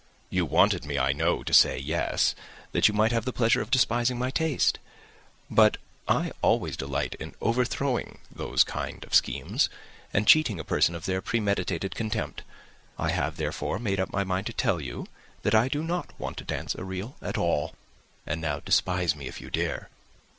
You wanted me, I know, to say 'Yes,' that you might have the pleasure of despising my taste; but I always delight in overthrowing those kind of schemes, and cheating a person of their premeditated contempt. I have, therefore, made up my mind to tell you that I do not want to dance a reel at all; and now despise me if you dare."